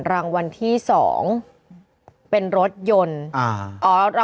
รางวัลที่๒เป็นรถยนต์